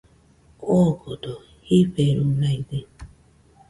Ogodo jiferunaide